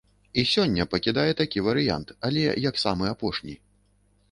І сёння пакідае такі варыянт, але як самы апошні.